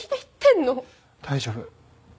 大丈夫。